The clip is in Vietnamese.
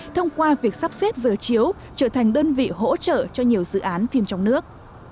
thông qua việc sắp xếp giờ chiếu trở thành đơn vị hỗ trợ cho nhiều dự án phim trong nước